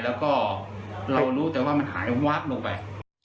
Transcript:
แล้วก็เรารู้แต่ว่ามันหายวาบลงไป